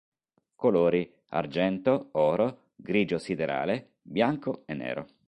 Colori: argento, oro, grigio siderale, bianco e nero.